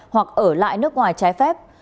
hoặc ở lại nước ngoài trái phép